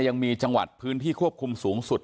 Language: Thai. ยังมีจังหวัดพื้นที่ควบคุมสูงสุด